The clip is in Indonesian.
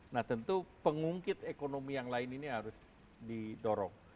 nah tentu pengungkit ekonomi yang lain ini harus didorong